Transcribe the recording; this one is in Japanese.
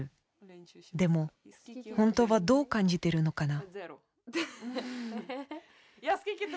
でも本当はどう感じてるのかな